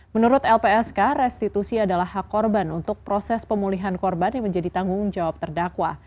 menurut lpsk restitusi adalah hak korban untuk proses pemulihan korban yang menjadi tanggung jawab terdakwa